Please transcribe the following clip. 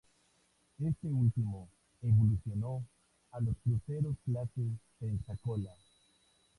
Este último evolucionó a los cruceros clase Pensacola.